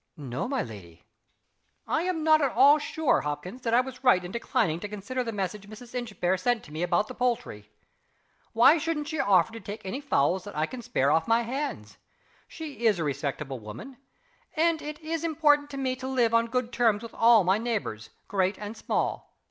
"No, my lady." "I am not at all sure, Hopkins, that I was right in declining to consider the message Mrs. Inchbare sent to me about the poultry. Why shouldn't she offer to take any fowls that I can spare off my hands? She is a respectable woman; and it is important to me to live on good terms with al my neighbors, great and small.